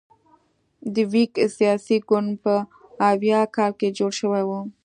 د ویګ سیاسي ګوند په اویا کال کې جوړ شوی و.